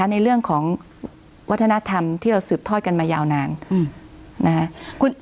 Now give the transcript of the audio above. ในเรื่องของวัฒนธรรมที่เราสืบทอดกันมายาวนานนะคะ